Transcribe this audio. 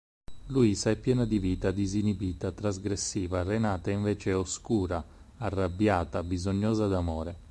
Luisa è piena di vita, disinibita, trasgressiva; Renata invece è oscura, arrabbiata, bisognosa d'amore.